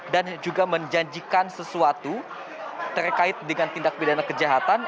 dan juga menjanjikan sesuatu terkait dengan tindak pidana kejahatan